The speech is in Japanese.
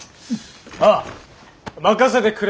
ああ任せてくれたまえ。